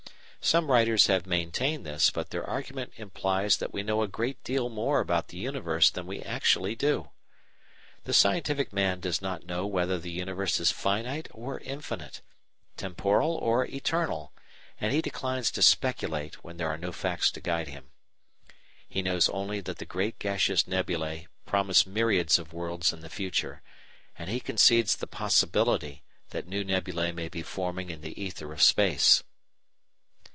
Some writers have maintained this, but their argument implies that we know a great deal more about the universe than we actually do. The scientific man does not know whether the universe is finite or infinite, temporal or eternal; and he declines to speculate where there are no facts to guide him. He knows only that the great gaseous nebulæ promise myriads of worlds in the future, and he concedes the possibility that new nebulæ may be forming in the ether of space.